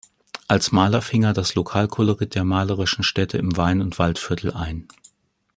Als Maler fing er das Lokalkolorit der malerischen Städte im Wein- und Waldviertel ein.